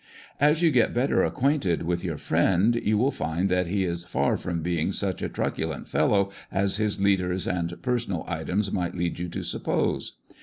As you get better acquainted with your friend you will find that he is far from being such a truculent fellow as his leaders and " per sonal items" might lead you to suppose.